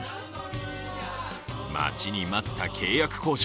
待ちに待った契約交渉。